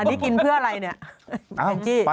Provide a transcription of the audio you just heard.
อันนี้กินเพื่ออะไรนี่